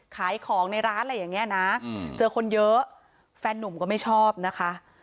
ขายของในร้านอะไรอย่างนี้นะเจอคนเยอะแฟนนุ่มก็ไม่ชอบนะคะ